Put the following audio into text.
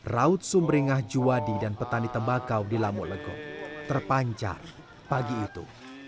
raut sumberingah juwadi dan petani tembakau di lamu legok terpancar pagi itu